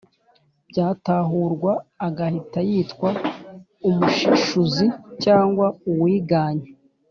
byatahurwa agahita yitwa umushishuzi cyangwa uwiganye